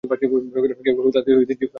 কেউ কেউ তাদের জিউস আর হেরা বলে ডাকতে লাগল।